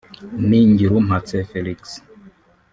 Me Ngirumpatse Felix